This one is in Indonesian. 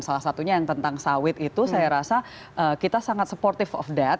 salah satunya yang tentang sawit itu saya rasa kita sangat supportive of that